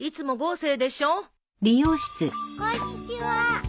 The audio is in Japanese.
こんにちは。